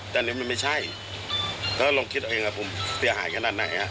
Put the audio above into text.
แต่อันนี้มันไม่ใช่ก็ลองคิดเอาเองว่าผมเสียหายขนาดไหน